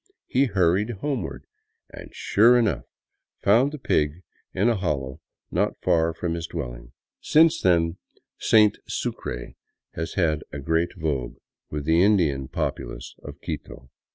He hurried homeward and, sure enough, found the pig in a hollow not far from his dwelling. Since then " Saint Sucre " has had a great vogue with the Indian populace of Quito.